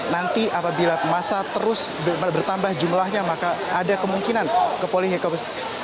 nanti apabila masa terus bertambah jumlahnya maka ada kemungkinan kepolisian